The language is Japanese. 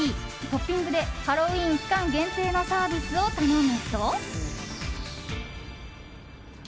トッピングでハロウィーン期間限定のサービスを頼むと。